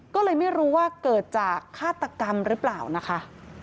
ก็เลยไม่รู้ว่าเกิดจากฆาตกรรมหรือเปล่านะคะ